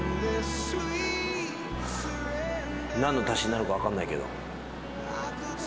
何の足しになるか分かんないけど。